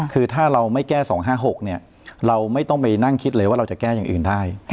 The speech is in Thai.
คือถ้าเราไม่แก้๒๕๖เราไม่ต้องไปนั่งคิดเลยว่าเราจะแก้อย่างอื่นได้